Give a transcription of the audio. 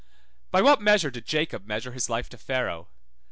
By what measure did Jacob measure his life to Pharaoh?